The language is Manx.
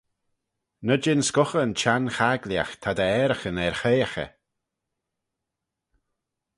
Ny jean scughey yn chenn chagliagh, ta dty ayraghyn er hoiaghey.